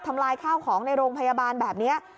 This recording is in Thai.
ลายข้าวของในโรงพยาบาลแบบนี้